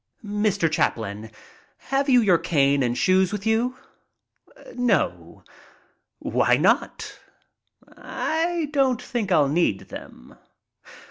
"Mr. Chaplin, have you your cane and shoes with you?" "No." "Why not?" "I don't think I'll need them."